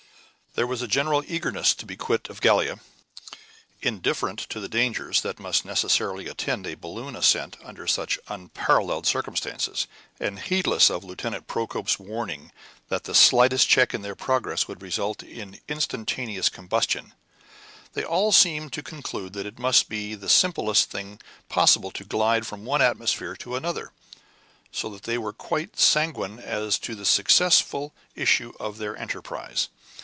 There was a general eagerness to be quit of Gallia. Indifferent to the dangers that must necessarily attend a balloon ascent under such unparalleled circumstances, and heedless of Lieutenant Procope's warning that the slightest check in their progress would result in instantaneous combustion, they all seemed to conclude that it must be the simplest thing possible to glide from one atmosphere to another, so that they were quite sanguine as to the successful issue of their enterprise.